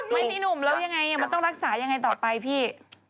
ไม่หนุ่มและต้องรักษายังไงต่อไปพี่